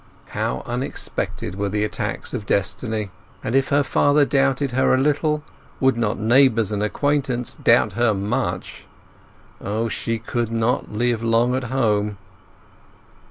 How unexpected were the attacks of destiny! And if her father doubted her a little, would not neighbours and acquaintance doubt her much? O, she could not live long at home!